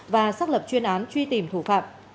và xác lập chuyên án truy tìm thủ phạm